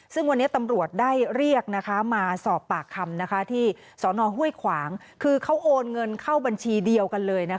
ซึ่งวันนี้ตำรวจได้เรียกมาสอบปากคำที่สนห้วยขวางคือเขาโอนเงินเข้าบัญชีเดียวกันเลย